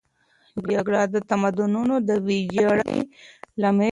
جګړه د تمدنونو د ویجاړۍ لامل ګرځي.